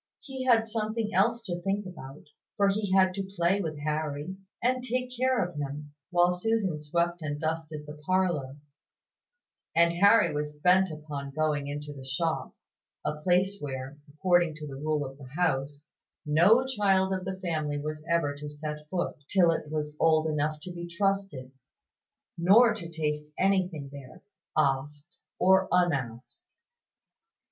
He had something else to think about; for he had to play with Harry, and take care of him, while Susan swept and dusted the parlour: and Harry was bent upon going into the shop a place where, according to the rule of the house, no child of the family was ever to set foot till it was old enough to be trusted; nor to taste anything there, asked or unasked.